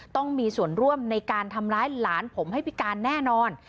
ต้องมีส่วนร่วมในการทำร้ายหลานผมให้พิการแน่นอน